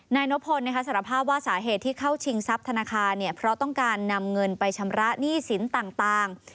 นายนพลสารภาพว่าสาเหตุที่เข้าชิงทรัพย์ธนาคารเพราะต้องการนำเงินไปชำระหนี้สินต่าง